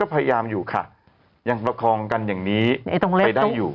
พยายามอยู่ค่ะยังประคองกันอย่างนี้ต้องเล่นไปได้อยู่